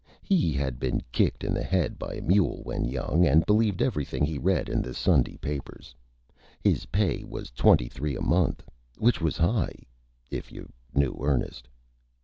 He had been kicked in the Head by a Mule when young and believed everything he read in the Sunday Papers. His pay was Twenty Three a month, which was high, if you knew Ernest.